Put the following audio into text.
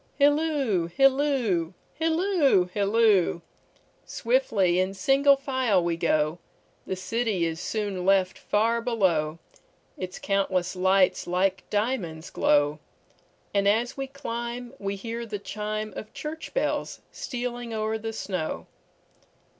Hilloo, hilloo, hilloo, hilloo! Swiftly in single file we go, The city is soon left far below, Its countless lights like diamonds glow; And as we climb we hear the chimeOf church bells stealing o'er the snow.